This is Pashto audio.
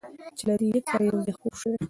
چې له دې لیک سره یو ځای خپور شوی،